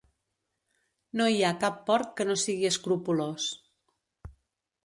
No hi ha cap porc que no sigui escrupolós.